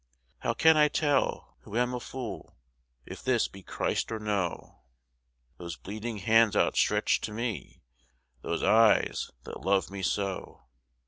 How can I tell, who am a fool, If this be Christ or no? Those bleeding hands outstretched to me! Those eyes that love me so!